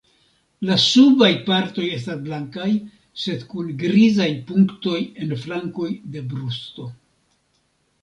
La subaj partoj estas blankaj, sed kun grizaj punktoj en flankoj de brusto.